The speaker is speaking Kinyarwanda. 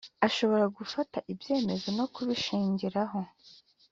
ashobora ngufata ibyemezo no kubishingiraho